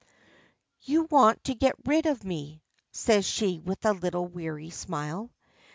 "You want to get rid of me," says she with a little weary smile.